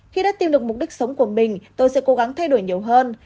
khi đã tìm được mục đích sống của mình tôi sẽ cố gắng thay đổi nhiều hơn